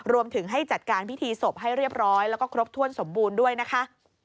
รวมถึงให้จัดการพิธีศพให้เรียบร้อยแล้วก็ครบถ้วนสมบูรณ์ด้วยนะคะ